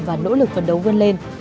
và nỗ lực phấn đấu vươn lên